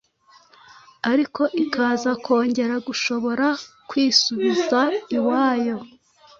ariko ikaza kongera gushobora kwisubiza iwayo